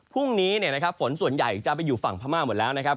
พรุ่งนี้ฝนส่วนใหญ่จะไปอยู่ฝั่งพม่าหมดแล้วนะครับ